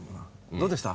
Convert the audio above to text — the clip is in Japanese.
どうでした？